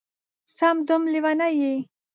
سم دم لېونی یې